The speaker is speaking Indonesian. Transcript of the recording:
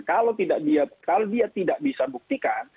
kalau dia tidak bisa buktikan